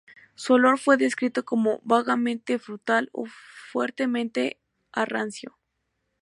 Su olor fue descrito como "vagamente frutal o fuertemente a rancio".